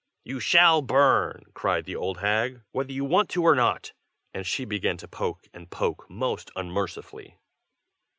"You shall burn!" cried the old hag, "whether you want to or not!" and she began to poke and poke most unmercifully.